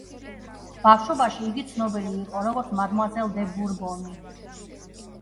ბავშვობაში იგი ცნობილი იყო როგორც მადმუაზელ დე ბურბონი.